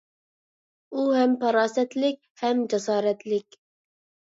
ئۇ ھەم پاراسەتلىك ھەم جاسارەتلىك.